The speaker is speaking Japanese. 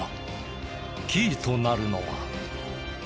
キーとなるのは。